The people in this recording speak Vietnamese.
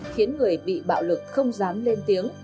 khiến người bị bạo lực không dám lên tiếng